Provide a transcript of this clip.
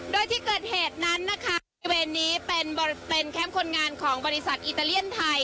โดยที่เกิดเหตุนั้นนะคะบริเวณนี้เป็นบริเวณแคมป์คนงานของบริษัทอิตาเลียนไทย